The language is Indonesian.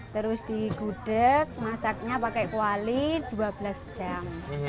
terus digudeg masaknya pakai kuali dua belas jam